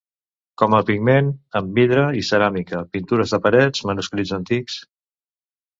Com a pigment en vidre i ceràmica, pintures de parets, manuscrits antics.